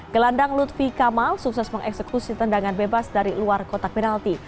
gelandang lutfi kamal sukses mengeksekusi tendangan bebas dari luar kotak penalti